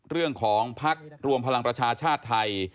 เรื่องของภักดิ์รวมพลังประชาชาธิไทย